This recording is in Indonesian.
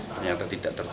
ternyata tidak tertentu